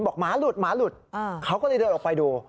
หมาหลุดหมาหลุดเขาก็เลยเดินออกไปดู